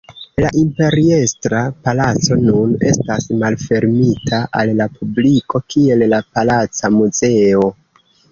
La Imperiestra Palaco nun estas malfermita al la publiko kiel la Palaca Muzeo.